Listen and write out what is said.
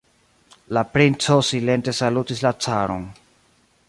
La princo silente salutis la caron.